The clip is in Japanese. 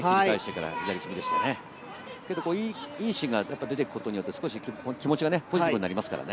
いいシーンが出ていくことによって、気持ちがポジティブになりますからね。